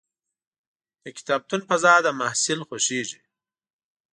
د کتابتون فضا د محصل خوښېږي.